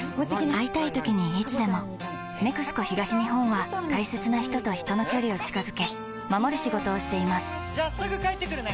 会いたいときにいつでも「ＮＥＸＣＯ東日本」は大切な人と人の距離を近づけ守る仕事をしていますじゃあすぐ帰ってくるね！